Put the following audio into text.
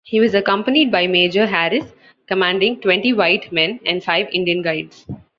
He was accompanied by Major Harris, commanding twenty white men, and five Indian guides.